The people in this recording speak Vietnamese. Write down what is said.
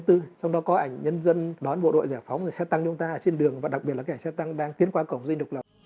trong đó có ảnh nhân dân đón bộ đội giải phóng xe tăng chúng ta ở trên đường và đặc biệt là cái xe tăng đang tiến qua cổng dinh độc lập